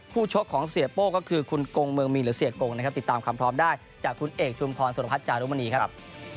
ชกของเสียโป้ก็คือคุณกงเมืองมีหรือเสียกงนะครับติดตามความพร้อมได้จากคุณเอกชุมพรสุรพัฒน์จารุมณีครับ